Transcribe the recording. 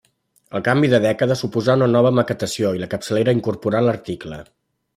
El canvi de dècada suposà una nova maquetació i la capçalera incorporà l'article.